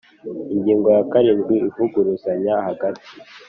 Ingingo ya karindwi Ivuguruzanya hagati